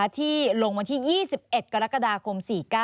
ที่ลงวันที่๒๑กรกฎาคม๔๙